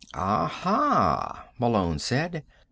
"Aha," Malone said.